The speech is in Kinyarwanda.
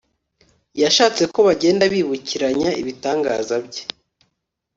yashatse ko bagenda bibukiranya ibitangaza bye